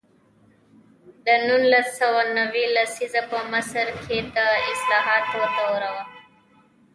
د نولس سوه نوي لسیزه په مصر کې د اصلاحاتو دوره وه.